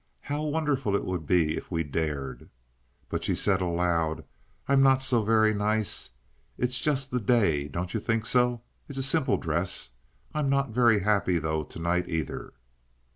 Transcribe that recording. How wonderful it would be if we dared." But she said aloud: "I'm not so very nice. It's just the day—don't you think so? It's a simple dress. I'm not very happy, though, to night, either."